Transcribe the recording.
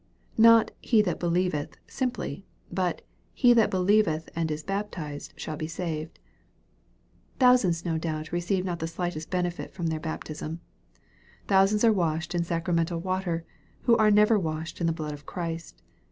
Not "he that believeth" simply, but " he that believeth and is baptized shall be saved." Thousands no doubt receive not the slightest benefit from their baptism. Thousands are washed in sacramental water, who are never washed in the blood of Christ.